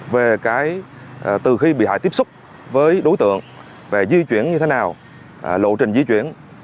về cái từ khi bị hại tiếp xúc với đối tượng về di chuyển như thế nào lộ trình di chuyển